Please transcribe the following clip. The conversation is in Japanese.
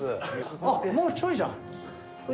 あっもうちょいじゃん！